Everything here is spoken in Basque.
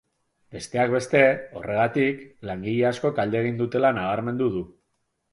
Besteak beste, horregatik, langile askok alde egin dutela nabarmendu du.